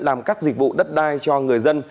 làm các dịch vụ đất đai cho người dân